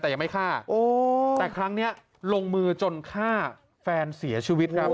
แต่ยังไม่ฆ่าแต่ครั้งนี้ลงมือจนฆ่าแฟนเสียชีวิตครับ